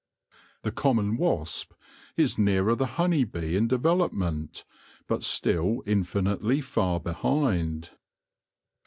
The common wasp is nearer the honey bee in development, but still infinitely far behind.